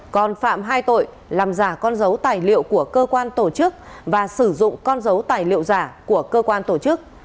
còn phạm hai tội làm giả con dấu tài liệu của cơ quan tổ chức và sử dụng con dấu tài liệu giả của cơ quan tổ chức